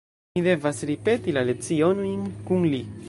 Mi devas ripeti la lecionojn kun li.